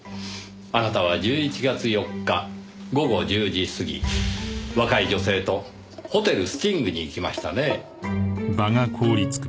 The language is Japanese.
あなたは１１月４日午後１０時過ぎ若い女性とホテルスティングに行きましたね？